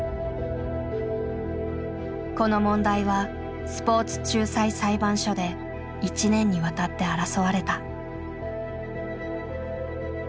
この問題はスポーツ仲裁裁判所で１年にわたって争われた。